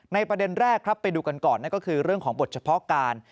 ประเด็นแรกครับไปดูกันก่อนนั่นก็คือเรื่องของบทเฉพาะการ